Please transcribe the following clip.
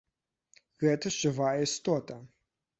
Гэта ж жывая істота.